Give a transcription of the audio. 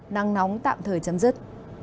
năng nóng tạm thời chấm dứt